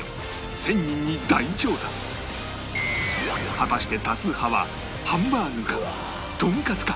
果たして多数派はハンバーグかとんかつか